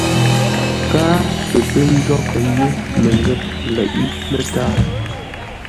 Káa pə pə́ nzóghʼə́ yé mənghə̂p leʼé mətǎa.